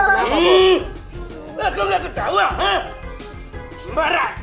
jangan ketawa dong bos